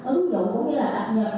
ứng dụng cũng như là đặt nhợt